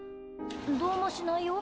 どうもしないよ。